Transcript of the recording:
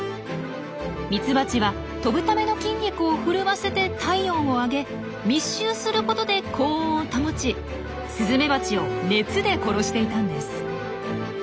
ミツバチは飛ぶための筋肉を震わせて体温を上げ密集することで高温を保ちスズメバチを熱で殺していたんです。